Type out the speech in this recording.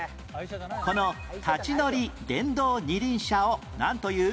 この立ち乗り電動二輪車をなんという？